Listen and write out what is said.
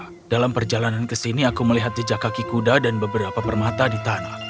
setelah memeriksa jejak kaki kuda aku melihat jejak kaki kuda dan beberapa permata di tanah